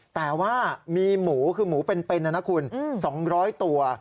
แต่ว่ามีหมูคือหมูเป็นนะนะคุณ๒๐๐ตัว